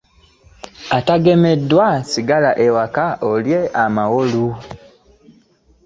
Ataagemebwa sigala ewaka olye amawolu.